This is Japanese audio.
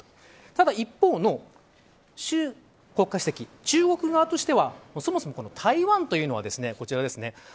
ただ一方の習国家主席としてはそもそも台湾というのはこちらですね。